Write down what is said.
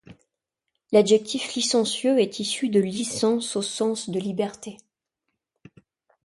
L'adjectif licencieux est issu de licence au sens de liberté.